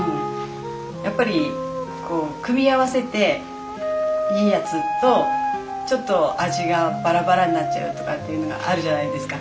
やっぱりこう組み合わせていいやつとちょっと味がバラバラになっちゃうとかっていうのがあるじゃないですか。